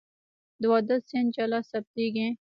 د واده سند جلا ثبتېږي.